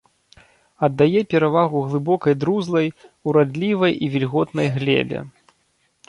Аддае перавагу глыбокай друзлай, урадлівай і вільготнай глебе.